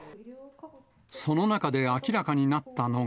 その中で明らかになったのが。